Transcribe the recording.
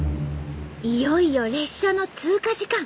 いよいよ列車の通過時間。